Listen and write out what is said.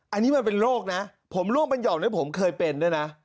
อันนี้มันเป็นโรคนะผมร่วมเป็นห่อมให้ผมเคยเป็นด้วยนะ